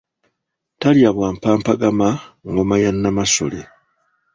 Talya bwa mpampagama, ngoma ya Namasole.